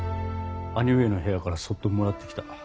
兄上の部屋からそっともらってきた。